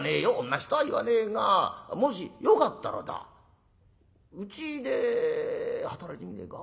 同じとは言わねえがもしよかったらだうちで働いてみねえか？